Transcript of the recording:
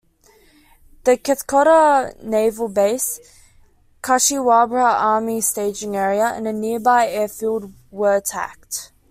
The Katkoa Naval Base; Kashiwabra Army Staging Area and a nearby airfield were attacked.